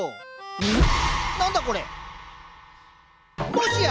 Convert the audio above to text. もしや！